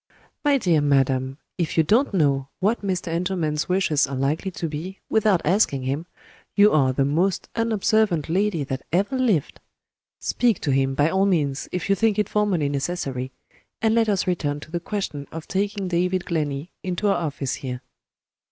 "My dear madam, if you don't know what Mr. Engelman's wishes are likely to be, without asking him, you are the most unobservant lady that ever lived! Speak to him, by all means, if you think it formally necessary and let us return to the question of taking David Glenney into our office here.